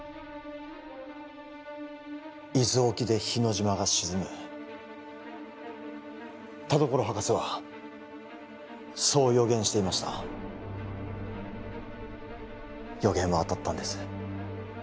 伊豆沖で日之島が沈む田所博士はそう予言していました予言は当たったんです